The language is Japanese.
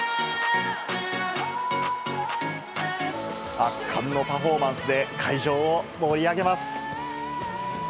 圧巻のパフォーマンスで、会場を盛り上げます。